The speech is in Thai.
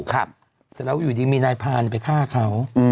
เสร็จแล้วอยู่ดีมีนายพานไปฆ่าเขา